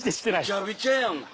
びちゃびちゃやんか。